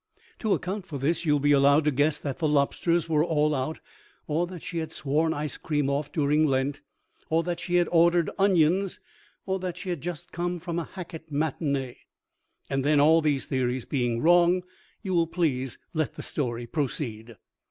To account for this you will be allowed to guess that the lobsters were all out, or that she had sworn ice cream off during Lent, or that she had ordered onions, or that she had just come from a Hackett matinee. And then, all these theories being wrong, you will please let the story proceed.